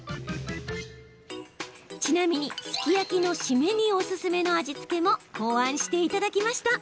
ちなみに、すき焼きのシメにおすすめの味付けも考案していただきました。